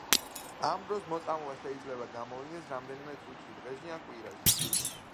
ამ დროს მოწამვლა შეიძლება გამოვლინდეს რამდენიმე წუთში, დღეში ან კვირაში.